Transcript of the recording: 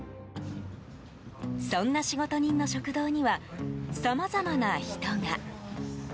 そんな仕事人の食堂にはさまざまな人が。